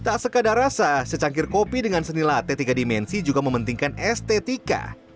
tak sekadar rasa secangkir kopi dengan seni latte tiga dimensi juga mementingkan estetika